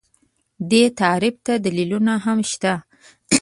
دې تعریف ته دلیلونه هم شته